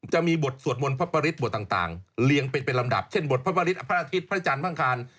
จะมีบทสวดมนตร์พระปริศบทต่างเรียงเป็นเป็นลำดับเช่นบทพระปริศพระอาทิตย์พระอาจารย์พระอังคาร